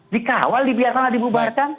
dikawal dibiarkan nggak dibubarkan